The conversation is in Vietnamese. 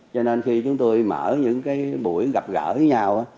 cho nên khi chúng tôi mở những cái buổi gặp gỡ với nhau